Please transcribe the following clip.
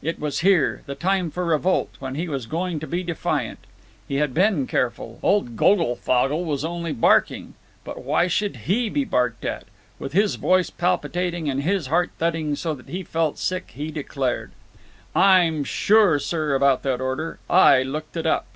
It was here—the time for revolt, when he was going to be defiant. He had been careful; old Goglefogle was only barking; but why should he be barked at? With his voice palpitating and his heart thudding so that he felt sick he declared: "I'm sure, sir, about that order. I looked it up.